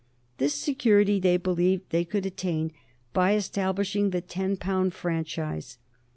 This security they believed they could attain by establishing the ten pound franchise.